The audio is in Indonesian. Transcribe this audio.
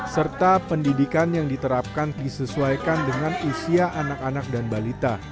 serta pendidikan yang diterapkan disesuaikan dengan usia anak anak dan balita